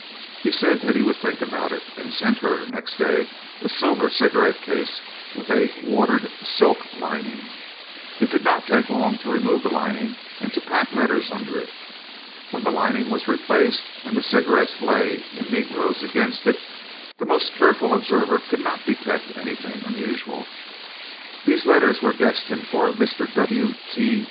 He said that he would think about it, and sent her, next day, a silver cigarette case with a watered silk lining. It did not take long to remove the lining and to pack the letters under it. When the lining was replaced and the cigarettes lay in neat rows against it, the most careful observer could not detect anything unusual. These letters were destined for Mr. W.T.